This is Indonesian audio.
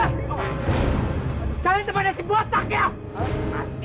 kalian tak kejar kejar itu